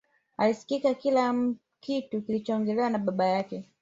Alisikia kila kitu kilichoongelewa na baba yake